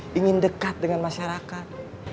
yang akan dekat dengan masyarakat